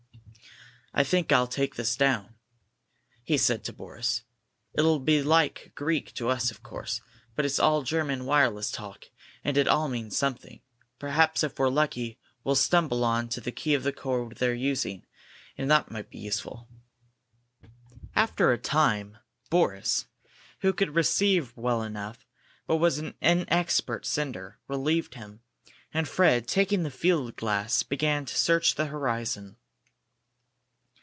"I think I'll take this down," he said to Boris. "It'll be like Greek to us, of course, but it's all German wireless talk, and it all means something. Perhaps if we're lucky, we'll stumble on to the key of the code they're using, and that might be useful." After a time Boris, who could receive well enough but was an inexpert sender, relieved him, and Fred, taking the field glass, began to search the horizon.